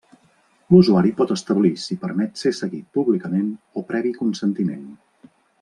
L'usuari pot establir si permet ser seguit públicament o previ consentiment.